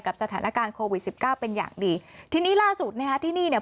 สถานการณ์โควิดสิบเก้าเป็นอย่างดีทีนี้ล่าสุดนะฮะที่นี่เนี่ย